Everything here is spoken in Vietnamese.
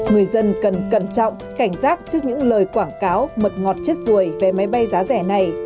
người dân cần cẩn trọng cảnh giác trước những lời quảng cáo mật ngọt chết ruồi về máy bay giá rẻ này